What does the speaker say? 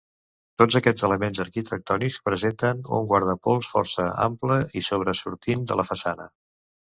Tots aquests elements arquitectònics presenten un guardapols força ample i sobresortint de la façana.